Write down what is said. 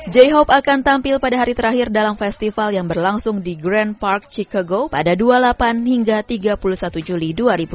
jhop akan tampil pada hari terakhir dalam festival yang berlangsung di grand park chicago pada dua puluh delapan hingga tiga puluh satu juli dua ribu dua puluh